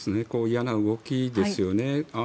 嫌な動きですよね。